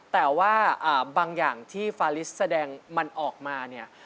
แต่ว่าบางอย่างที่ฟาลิสแสดงมันออกมาเนี่ย